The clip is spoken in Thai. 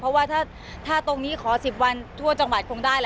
เพราะว่าถ้าตรงนี้ขอ๑๐วันทั่วจังหวัดคงได้แหละ